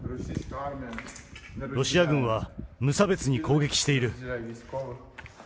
ロシア軍は無差別に攻撃している。